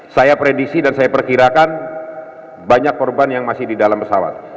saya predisi dan saya perkirakan banyak korban yang masih di dalam pesawat